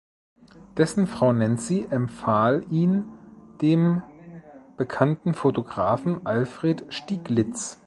Dessen Frau Nancy empfahl ihn dem bekannten Fotografen Alfred Stieglitz.